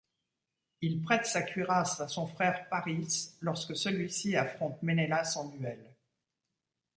Il prête sa cuirasse à son frère Pâris lorsque celui-ci affronte Ménélas en duel.